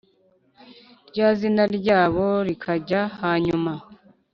rya zina ryabo rikajya hanyuma,